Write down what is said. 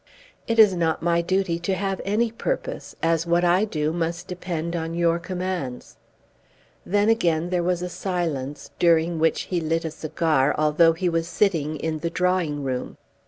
"It is not my duty to have any purpose, as what I do must depend on your commands." Then again there was a silence, during which he lit a cigar, although he was sitting in the drawing room.